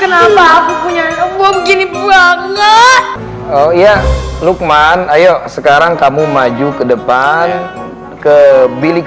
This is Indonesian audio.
berarti belum bisa dong sayang ya ya ya ya ya luqman ayo sekarang kamu maju ke depan ke bilik